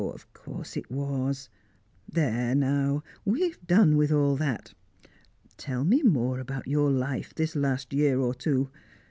"Of course it was! There now, we've done with all that. Tell me more about your life this last year or two.